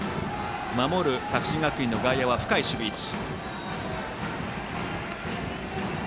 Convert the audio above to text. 守る作新学院の外野は深い守備位置。